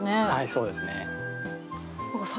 そうですね。